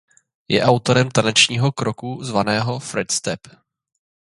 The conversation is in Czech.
Je autorem tanečního kroku zvaného „Fred step“.